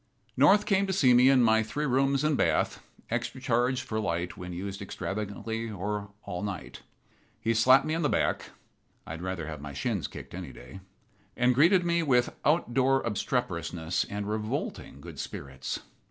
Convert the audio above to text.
North came to see me in my three rooms and bath, extra charge for light when used extravagantly or all night. He slapped me on the back (I would rather have my shins kicked any day), and greeted me with out door obstreperousness and revolting good spirits.